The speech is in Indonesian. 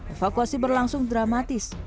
evakuasi berlangsung dramatis